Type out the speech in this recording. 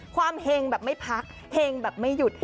ความแห่งแบบไม่พักแห่งแบบไม่หยุด